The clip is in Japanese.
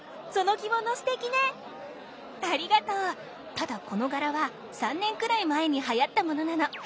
ただこの柄は３年くらい前にはやったものなの。